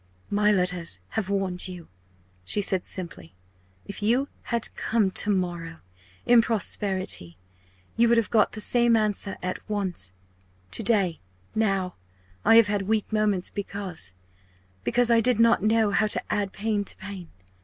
"My letters must have warned you," she said simply. "If you had come to morrow in prosperity you would have got the same answer, at once. To day now I have had weak moments, because because I did not know how to add pain to pain.